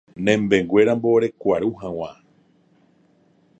Nembeguéramo rekuaru hag̃ua